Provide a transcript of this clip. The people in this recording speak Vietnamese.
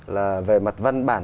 là về mặt văn bản